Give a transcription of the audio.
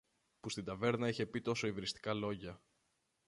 που στην ταβέρνα είχε πει τόσο υβριστικά λόγια